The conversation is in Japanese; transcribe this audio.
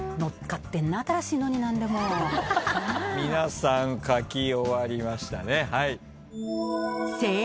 皆さん書き終わりましたね。